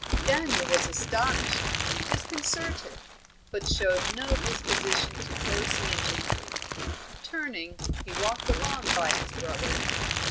Daniel was astonished, disconcerted, but showed no disposition to close the interview; turning, he walked along by his brother.